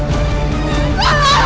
udah tenang aja